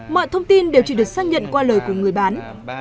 mọi thông tin đều chỉ được xác nhận qua lời của người bán